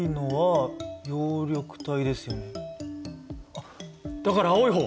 あっだから青い方？